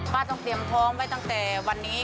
ต้องเตรียมท้องไว้ตั้งแต่วันนี้